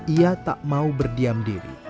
ia tak mau berdiam diri